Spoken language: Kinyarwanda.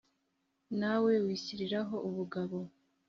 Na we wishyiriraho ubugabo,